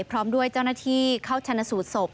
พร้อมด้วยเจ้าหน้าที่เข้าชนะสูตรศพ